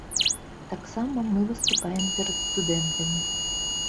Таксама мы выступаем перад студэнтамі.